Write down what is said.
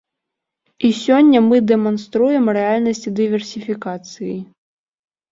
І сёння мы дэманструем рэальнасць дыверсіфікацыі.